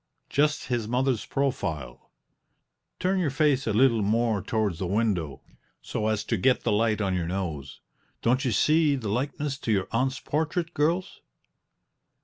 Just his mother's profile (turn your face a leetle more towards the window, so as to get the light on your nose). Don't you see the likeness to your aunt's portrait, girls?"